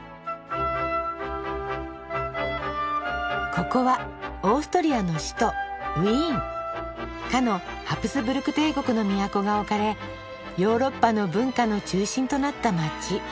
ここはオーストリアの首都かのハプスブルク帝国の都が置かれヨーロッパの文化の中心となった街。